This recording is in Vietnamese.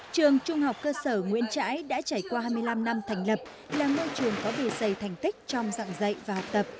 trường trung học cơ sở nguyễn trãi đã trải qua hai mươi năm năm thành lập là ngôi trường có bề dày thành tích trong dạng dạy và học tập